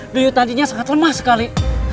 dulu tadinya sangat lemah sekali